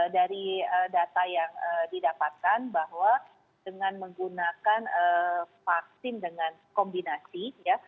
dari data yang didapatkan bahwa dengan menggunakan vaksin dengan kombinasi ya